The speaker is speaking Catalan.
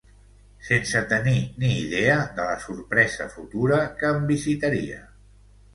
Sense tenir ni idea de la sorpresa futura que em visitaria.